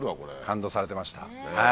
感動されてました。